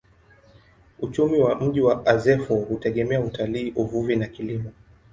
Uchumi wa mji wa Azeffou hutegemea utalii, uvuvi na kilimo.